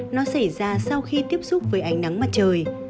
nó xảy ra sau khi tiếp xúc với ánh nắng mặt trời